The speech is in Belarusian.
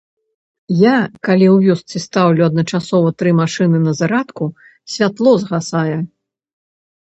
Я, калі ў вёсцы стаўлю адначасова тры машыны на зарадку, святло згасае.